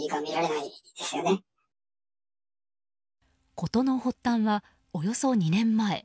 事の発端はおよそ２年前。